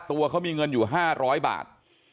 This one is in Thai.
ตัวเขามีเงินอยู่๕๐๐บาท